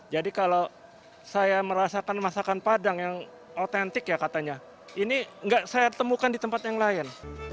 jadi kalau saya merasakan masakan padang yang otentik ya katanya ini tidak saya temukan di tempat yang lain